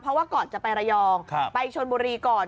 เพราะว่าก่อนจะไประยองไปชนบุรีก่อน